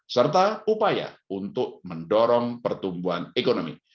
serta upaya untuk mendorong pertumbuhan ekonomi